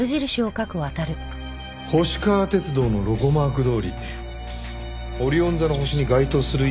星川鐵道のロゴマークどおりオリオン座の星に該当する位置に捨てられていた。